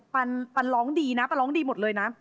ปันร้องดีนะปันร้องดีหมดเลยนะ